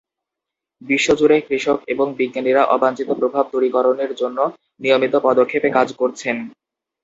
বিশ্বজুড়ে কৃষক এবং বিজ্ঞানীরা অবাঞ্ছিত প্রভাব দূরীকরণের জন্য নিয়মিত পদক্ষেপে কাজ করছেন।